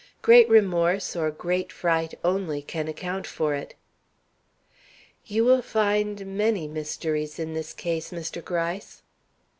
Great remorse or great fright only can account for it." "You will find many mysteries in this case, Mr. Gryce."